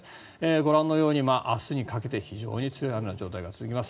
ご覧のように明日にかけて非常に強い雨の状態が続きます。